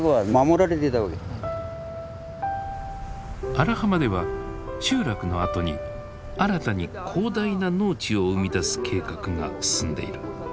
荒浜では集落の跡に新たに広大な農地を生み出す計画が進んでいる。